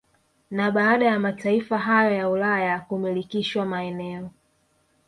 Na baada ya mataifa hayo ya Ulaya kumilikishwa maeneo